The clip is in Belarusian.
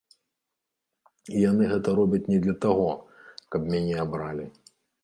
І яны гэта робяць не для таго, каб мяне абралі.